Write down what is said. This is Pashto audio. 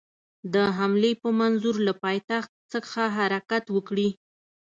د حملې په منظور له پایتخت څخه حرکت وکړي.